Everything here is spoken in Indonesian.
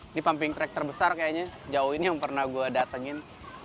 ini pumping track terbesar kayaknya sejauh ini yang pernah gue datengin